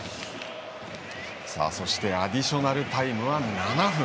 そしてアディショナルタイムは７分。